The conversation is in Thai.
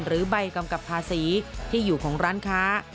ใบกำกับภาษีที่อยู่ของร้านค้า